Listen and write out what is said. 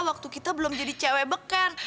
waktu kita belum jadi cewek beken